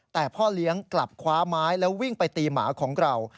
แต่พ่อเลี้ยงกลับคว้าไม้แล้ววิ่งไปตีหมาของเรา